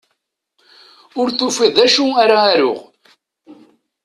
Ur tufiḍ d acu ara aruɣ.